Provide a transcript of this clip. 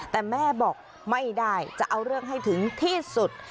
แต่แม่บอกไม่ได้จะเอาเรื่องให้ถึงที่สุด